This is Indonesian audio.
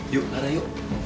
yuk lara yuk